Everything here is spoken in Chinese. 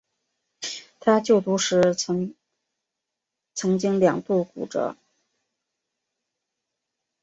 他就读时则曾经两度骨折。